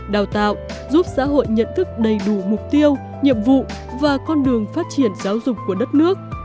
đào tạo giúp xã hội nhận thức đầy đủ mục tiêu nhiệm vụ và con đường phát triển giáo dục của đất nước